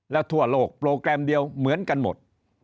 แล้วทั่วโลกโปรแกรมเดียวเหมือนกันหมด